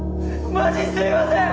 マジすいません！